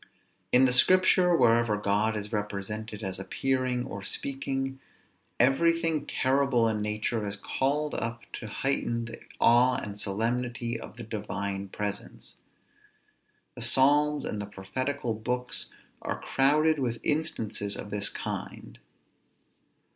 In the Scripture, wherever God is represented as appearing or speaking, everything terrible in nature is called up to heighten the awe and solemnity of the Divine presence. The Psalms, and the prophetical books, are crowded with instances of this kind.